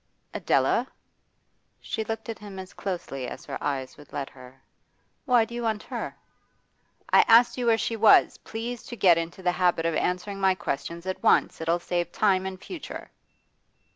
'Adela?' She looked at him as closely as her eyes would let her. 'Why do you want her?' 'I asked you where she was. Please to get into the habit of answering my questions at once. It'll save time in future.